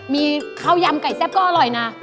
มีข้าวยำไก่แซ่บก็อร่อยนะ